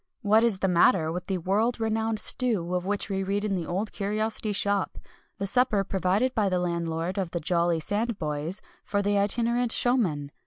What is the matter with the world renowned stew of which we read in The Old Curiosity Shop the supper provided by the landlord of the "Jolly Sandboys" for the itinerant showmen?